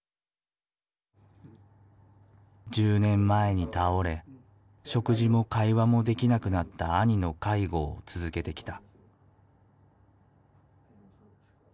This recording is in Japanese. １０年前に倒れ食事も会話もできなくなった兄の介護を続けてきた。